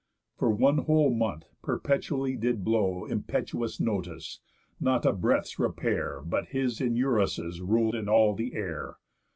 For one whole month perpetually did blow Impetuous Notus, not a breath's repair But his and Eurus' rul'd in all the air.